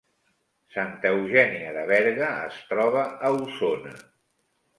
Santa Eugènia de Berga es troba a Osona